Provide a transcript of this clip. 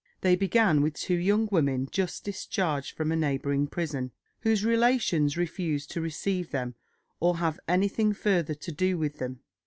They began with two young women just discharged from a neighbouring prison, whose relations refused to receive them or have anything further to do with them.